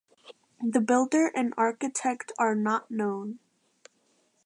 The builder and architect are not known.